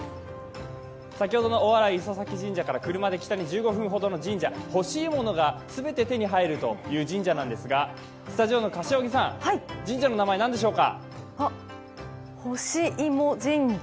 先ほどの大洗磯前神社から車で北に１５分ほどの神社欲しいものが全て手に入るという神社なんですがスタジオの柏木さん、神社の名前何でしょうか？